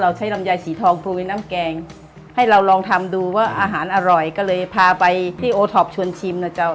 ใช้ลำไยสีทองโปรยน้ำแกงให้เราลองทำดูว่าอาหารอร่อยก็เลยพาไปที่โอท็อปชวนชิมนะเจ้า